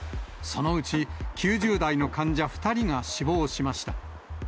そのうち９０代の患者２人が死亡しました。